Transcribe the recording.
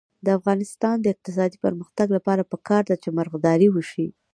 د افغانستان د اقتصادي پرمختګ لپاره پکار ده چې مرغداري وشي.